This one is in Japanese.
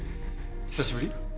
久しぶり？